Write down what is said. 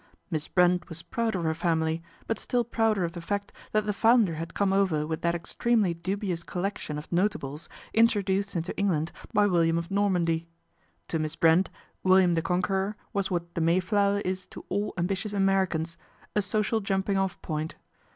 Miss Brent was proud of her family, but still prouder of the fact that the founder had come over with that extremely dubious collection of notables introduced into England by William of Normandy. To Miss Brent, William the Con queror was what The Mayflower is to all ambitious lericans a social jumping off point.